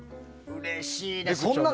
うれしいですね。